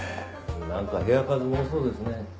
なんか部屋数も多そうですね。